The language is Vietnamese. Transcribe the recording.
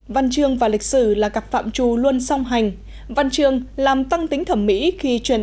văn chương và lịch sử là cặp phạm trù luôn song hành văn chương làm tăng tính thẩm mỹ khi truyền